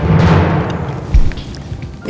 sampai jumpa lagi